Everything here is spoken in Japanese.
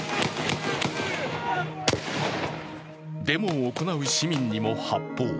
デモを行う市民にも発砲。